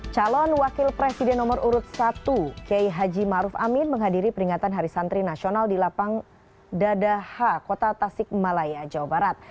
calon wakil presiden nomor urut satu kiai haji maruf amin menghadiri peringatan hari santri nasional di lapang dadaha kota tasik malaya jawa barat